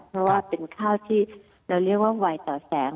เพราะว่าเป็นข้าวที่เราเรียกว่าไวต่อแสง